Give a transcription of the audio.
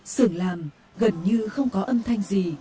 sưởng làm gần như không có âm thanh gì